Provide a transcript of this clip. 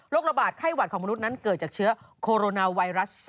ระบาดไข้หวัดของมนุษย์นั้นเกิดจากเชื้อโคโรนาไวรัส๒